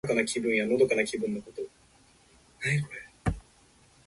江戸時代には鎖国が行われた。